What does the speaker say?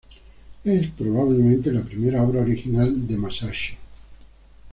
Es probablemente la primera obra original de Masaccio.